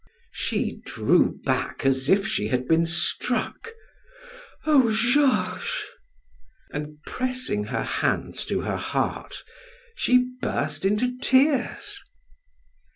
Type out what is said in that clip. She drew back as if she had been struck: "Oh, Georges!" And pressing her hands to her heart, she burst into tears.